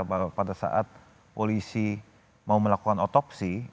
bahwa pada saat polisi mau melakukan otopsi